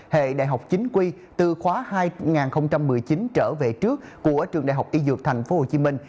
hệ đại học chính quy từ khóa hai nghìn một mươi chín trở về trước của trường đại học y dược thành phố hồ chí minh